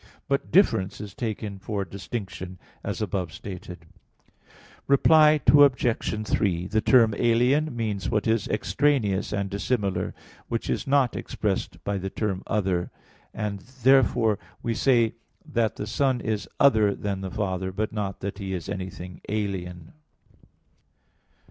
But "difference" is taken for "distinction," as above stated. Reply Obj. 3: The term "alien" means what is extraneous and dissimilar; which is not expressed by the term "other" [alius]; and therefore we say that the Son is "other" than the Father, but not that He is anything "alien."